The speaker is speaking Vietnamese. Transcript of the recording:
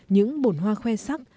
những bồn hoa khoe sắc